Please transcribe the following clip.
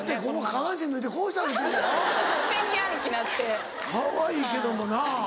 かわいいけどもな。